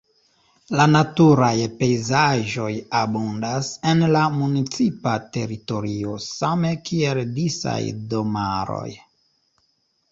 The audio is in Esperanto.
La naturaj pejzaĝoj abundas en la municipa teritorio same kiel disaj domaroj.